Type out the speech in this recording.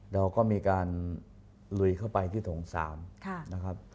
เราก็มีการลุยเข้าไปที่ถงสาม